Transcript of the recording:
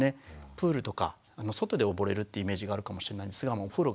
プールとか外で溺れるっていうイメージがあるかもしれないんですがお風呂が一番